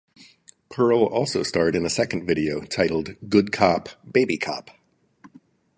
Pearl also starred in a second video titled "Good Cop, Baby Cop".